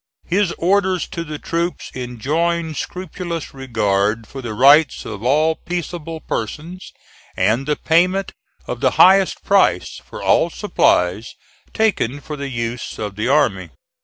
His orders to the troops enjoined scrupulous regard for the rights of all peaceable persons and the payment of the highest price for all supplies taken for the use of the army.